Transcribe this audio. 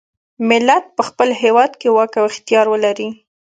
ملت په خپل هیواد کې واک او اختیار ولري.